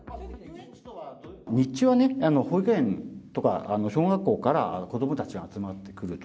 日中はね、保育園とか小学校から子どもたちが集まってくると。